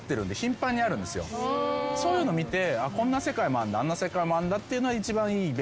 そういうの見て。